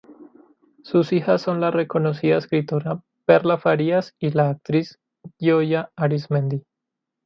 Sus hijas son la reconocida escritora Perla Farías y la Actriz Gioia Arismendi.